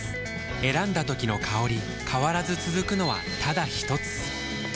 選んだ時の香り変わらず続くのはただひとつ？